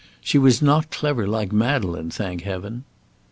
"She was not clever, like Madeleine, thank Heaven."